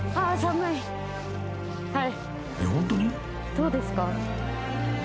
どうですか？